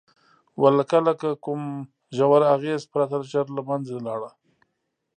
ولکه له کوم ژور اغېز پرته ژر له منځه لاړه.